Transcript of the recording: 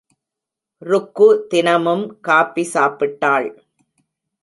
ருக்கு தினமும் காபி சாப்பிட்டாள்.